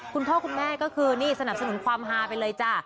คุณพ่อคุณแม่ก็คือนี่สนับสนุนความฮาไปเลยจ้ะ